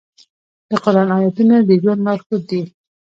د قرآن آیاتونه د ژوند لارښود دي.